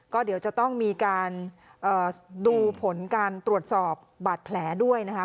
ก็เดี๋ยวจะต้องมีการดูผลการตรวจสอบบาดแผลด้วยนะคะ